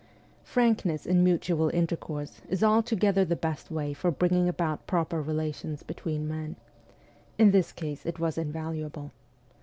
Frankness in mutual inter course is altogether the best way for bringing about proper relations between men. In this case it was invaluable.